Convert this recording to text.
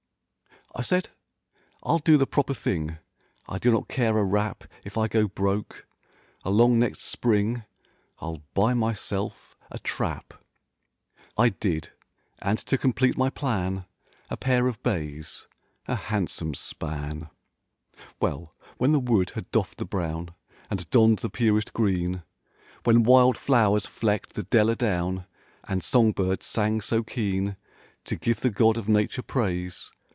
I said ril do the proper thing— I do not care a rap If I go broke—along next spring ril buy myself a trap— I did, and to complete my plan— A pair of bays—a handsome span. Well, when the wood had doffed the brown And donned the purest green; When wild flow'rs flecked the dell a down And song birds sang so keen To give the God of nature praise.